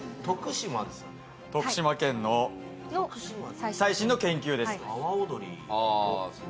徳島県の最新の研究です。